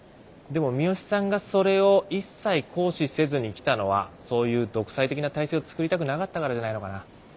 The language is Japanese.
でも三芳さんがそれを一切行使せずにきたのはそういう独裁的な体制を作りたくなかったからじゃないのかな。